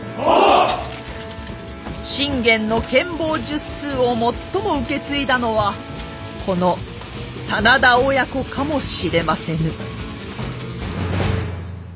信玄の権謀術数を最も受け継いだのはこの真田親子かもしれませぬ。